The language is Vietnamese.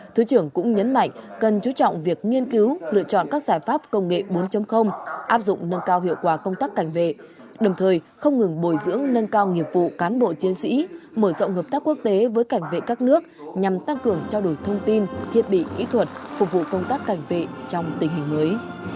thứ trưởng cũng nhấn mạnh cần chú trọng việc nghiên cứu lựa chọn các giải pháp công nghệ bốn áp dụng nâng cao hiệu quả công tác cảnh vệ đồng thời không ngừng bồi dưỡng nâng cao nghiệp vụ cán bộ chiến sĩ mở rộng hợp tác quốc tế với cảnh vệ các nước nhằm tăng cường trao đổi thông tin thiết bị kỹ thuật phục vụ công tác cảnh vệ trong tình hình mới